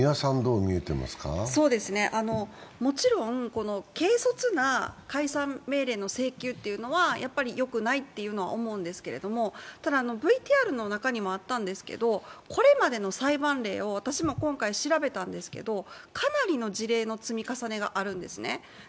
もちろん軽率な解散命令の請求はよくないと思うんですがただ、ＶＴＲの中にもあったんですけどこれまでの裁判例を私も今回調べたんですけれども、かなりの事例の積み重ねがあるんですね。